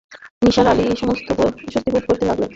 নিসার আলি অস্বস্তি বোধ করতে লাগলেন।